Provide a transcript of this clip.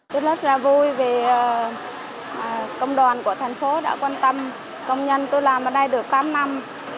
tôi rất là vui vì công đoàn của thành phố đã quan tâm công nhân tôi làm ở đây được tám năm